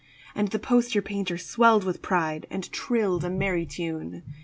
And the poster painter swelled with pride And trilled a merry tune.